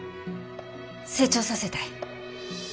成長させたい。